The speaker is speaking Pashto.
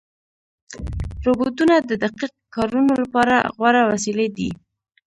روبوټونه د دقیق کارونو لپاره غوره وسیلې دي.